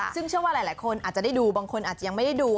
ซึ่งเชื่อว่าหลายคนอาจจะได้ดูบางคนอาจจะยังไม่ได้ดู